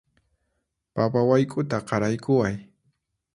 Papa wayk'uta qaraykuway